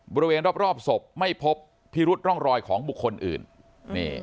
บริเวณรอบรอบศพไม่พบพิรุษร่องรอยของบุคคลอื่นนี่